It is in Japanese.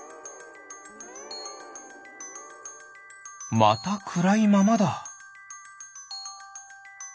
またくらいままだ！